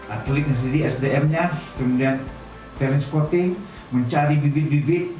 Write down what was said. atlet yang jadi sdm nya kemudian talent sporting